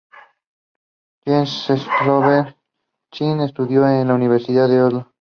Jens Stoltenberg estudió en la Universidad de Oslo.